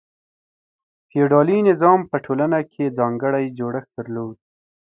فیوډالي نظام په ټولنه کې ځانګړی جوړښت درلود.